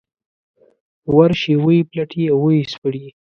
ورشي ویې پلټي او ويې سپړي.